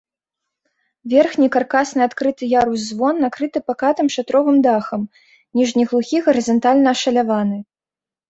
Верхні каркасны адкрыты ярус-звон накрыты пакатым шатровым дахам, ніжні глухі гарызантальна ашаляваны.